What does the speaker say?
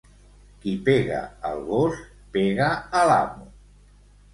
Qui pega al gos, pega a l'amo.